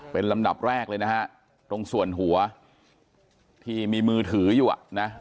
เป็นลำดับแรกเลยนะฮะตรงส่วนหัวที่มีมือถืออยู่อ่ะนะ